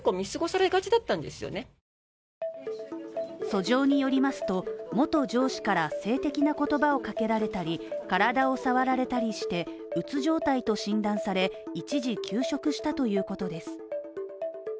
訴状によりますと元上司から性的な言葉をかけられたり体を触られたりして、鬱状態と診断され、一時休職したということです。